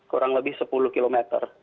kurang lebih sepuluh km